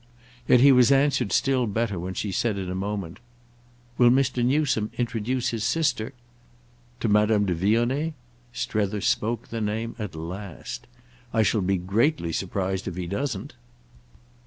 Yet he was answered still better when she said in a moment: "Will Mr. Newsome introduce his sister—?" "To Madame de Vionnet?" Strether spoke the name at last. "I shall be greatly surprised if he doesn't."